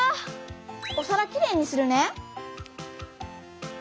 おさらきれいにするね。